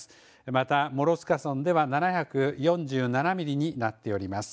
また諸塚村では、７４７ミリになっております。